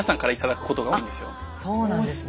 そうなんですね。